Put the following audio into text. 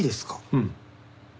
うん。